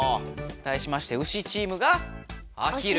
対しましてウシチームが「あひる」。